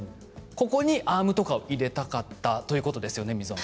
ここにアームを入れたかったということなんですよね。